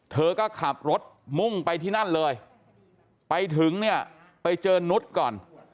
เธอก็ขับรถมุ่งไปที่นั่นเลยไปถึงเนี่ยไปเจอนุษย์ก่อน